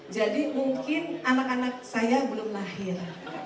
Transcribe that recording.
jadi mungkin anak anak saya belum lahir